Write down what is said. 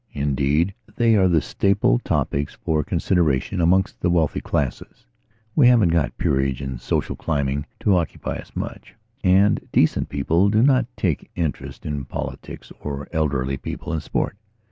Indeed, they are the staple topics for consideration amongst the wealthy classes. We haven't got peerage and social climbing to occupy us much, and decent people do not take interest in politics or elderly people in sport.